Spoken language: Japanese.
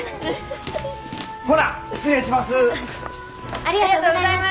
ほな失礼します。